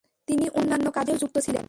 তিনি অন্যান্য কাজেও যুক্ত ছিলেন।